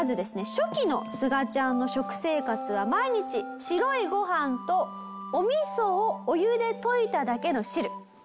初期のすがちゃんの食生活は毎日白いご飯とお味噌をお湯で溶いただけの汁。